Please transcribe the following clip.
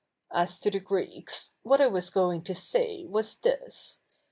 As to the Greeks, what I Avas going to say was this.